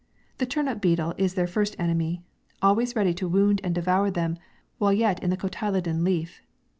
The turnip beedle is their first enemy, always ready to wound and devour them while yet in the cotyledon leaf.